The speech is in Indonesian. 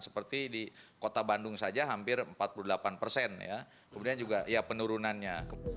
seperti di kota bandung saja hampir empat puluh delapan persen kemudian juga ya penurunannya